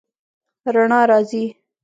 رڼا راځي